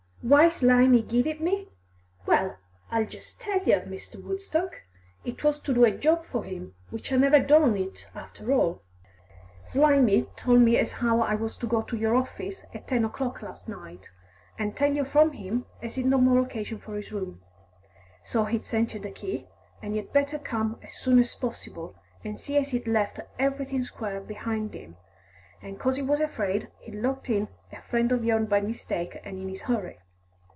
"Why Slimy give it me? Well, I'll jist tell yer, Mr. Woodstock. It was to do a job for him, which I never done it after all. Slimy told me as 'ow I was to go to your orffice at ten o'clock last night, 'an tell you from him as he'd no more 'casion for his room, so he'd sent yer the key, an' yer'd better come as soon as possible an' see as he'd left everything square behind him, an' 'cos he was afraid he'd locked in a friend o' yourn by mistake an' in his hurry."